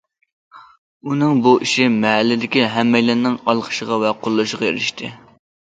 ئۇنىڭ بۇ ئىشى مەھەللىدىكى ھەممەيلەننىڭ ئالقىشىغا ۋە قوللىشىغا ئېرىشتى.